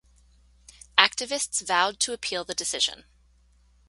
Activists vowed to appeal the decision.